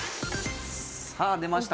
さあ出ました。